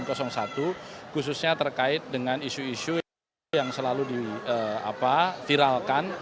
pada pasangan satu khususnya terkait dengan isu isu yang selalu diviralkan